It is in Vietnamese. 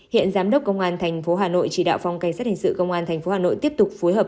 hiện giám đốc công an tp hà nội chỉ đạo phòng cảnh sát hình sự công an tp hà nội tiếp tục phối hợp